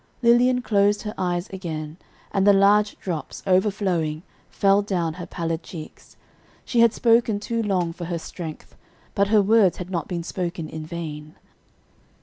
Lilian closed her eyes again, and the large drops, overflowing, fell down her pallid cheeks; she had spoken too long for her strength, but her words had not been spoken in vain.